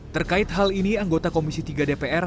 terkait hal ini anggota komisi tiga dpr